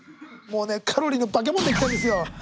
もうねカロリーの化け物でいきたいんですよ。